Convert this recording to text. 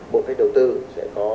bộ phép đầu tư sẽ có